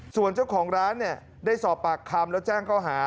ส่วนเจ้าของร้านเนี่ยได้สอบปากคำแล้วแจ้งเขาหา